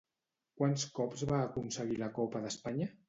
Quants cops va aconseguir la Copa d'Espanya?